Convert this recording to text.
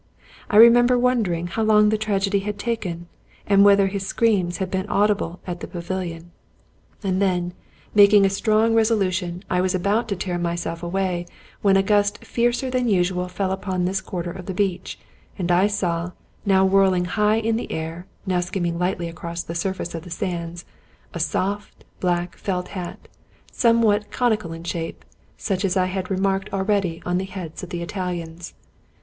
I remember wondering how long the tragedy had taken, and whether his screams had been audi ble at the pavilion. And then, making a strong resolu i8i Scotch Mystery Stories tion, I was about to tear myself away, when a gust fiercer than usual fell upon this quarter of the beach, and I saw, now whirling high in air, now skimming lightly across the surface of the sands, a soft, black, felt hat, somewhat coni cal in shape, such as I had remarked already on the heads of the Italians.